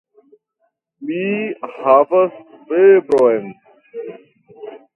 Mi havas febron.